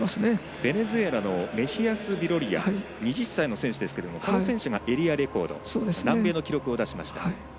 ベネズエラのメヒアスビロリア２０歳の選手ですけどこの選手がエリアレコード南米の記録を出しました。